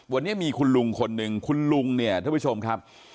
วันนี้มีคุณลุงคนหนึ่งคุณลุงเนี่ยท่านผู้ชมครับ